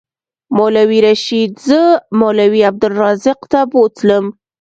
مولوي رشید زه مولوي عبدالرزاق ته بوتلم.